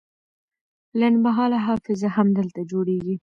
لنډمهاله حافظه همدلته جوړیږي.